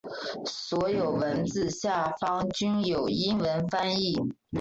所有文字下方均有英文翻译。